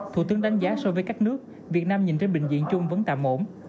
thủ tướng đánh giá so với các nước việt nam nhìn trên bệnh viện chung vẫn tạm ổn